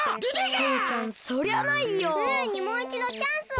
ムールにもういちどチャンスを！